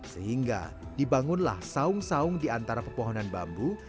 sehingga dibangunlah saung saung diantara pepohonan bambu